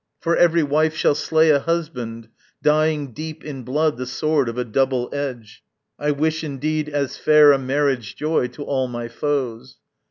For every wife Shall slay a husband, dyeing deep in blood The sword of a double edge (I wish indeed As fair a marriage joy to all my foes!)